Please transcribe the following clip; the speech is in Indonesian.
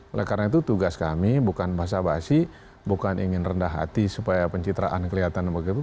oleh karena itu tugas kami bukan basa basi bukan ingin rendah hati supaya pencitraan kelihatan begitu